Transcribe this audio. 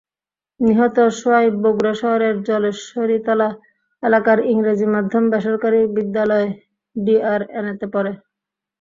নিহত সোহাইব বগুড়া শহরের জলেশ্বরীতলা এলাকার ইংরেজি মাধ্যম বেসরকারি বিদ্যালয় ডিআরএনেতে পড়ে।